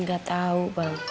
gak tau bang